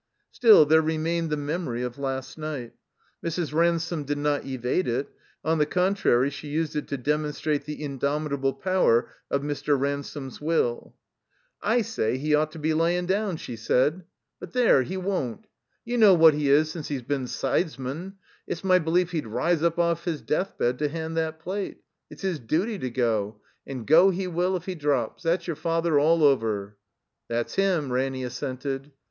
Still, there remained the memory of last night. Mrs. Ransome did not evade it ; on the contrary, she used it to demonstrate the indomitable power of Mr. Ransome's will. "/ say he ought to be layin' down," she said. 4 43 THE COMBINED MAZE "But there — ^He won't. You know what He is since He's been sidesman. It's my belief He'd rise up off his deathbed to hand that plate. It's his duty to go, and go He will if He drops. That's your father all over." "That's Him," Ranny assented.